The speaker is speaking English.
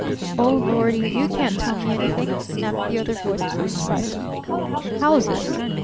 "Oh, Lordy! You can't tell me anything!" snapped the other voice more incisively. "Houses?